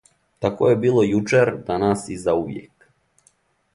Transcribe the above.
Тако је било јучер, данас и заувијек.